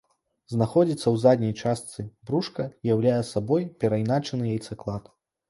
Знаходзіцца ў задняй частцы брушка і ўяўляе сабой перайначаны яйцаклад.